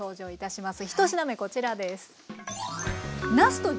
１品目こちらです。